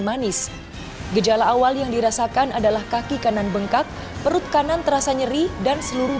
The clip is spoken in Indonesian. manis gejala awal yang dirasakan adalah kaki kanan bengkak perut kanan terasa nyeri dan seluruh